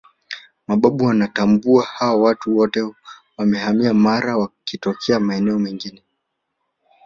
Mababu wanatuambia hawa watu wote wamehamia Mara wakitokea maeneo mengine